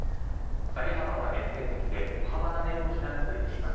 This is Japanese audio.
下げ幅は限定的で小幅な値動きが続いています。